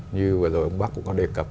như vừa rồi ông bắc cũng có đề cập